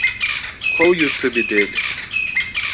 Qual o YouTube dele?